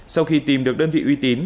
sau khi tìm được đơn vị uy tín